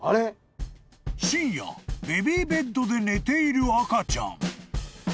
［深夜ベビーベッドで寝ている赤ちゃん］